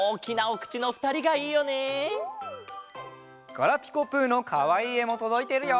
ガラピコぷのかわいいえもとどいてるよ。